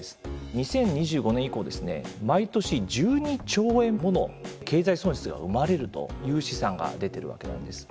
２０２５年以降ですね毎年１２兆円もの経済損失が生まれるという試算が出てるわけなんです。